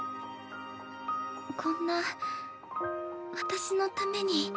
こんな私のために。